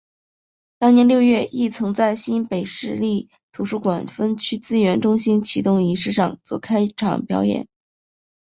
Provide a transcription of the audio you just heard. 当年六月亦曾在新北市立图书馆分区资源中心启用仪式上做开场表演。